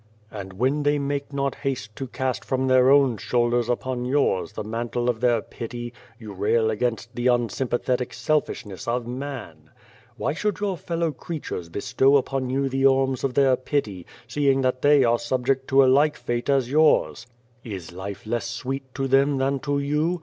And when they make not haste to cast from their own shoulders upon yours the mantle of their 87 The Face pity, you rail against the unsympathetic selfish ness of man. " Why should your fellow creatures bestow upon you the alms of their pity, seeing that they are subject to a like fate to yours ? Is life less sweet to them than to you?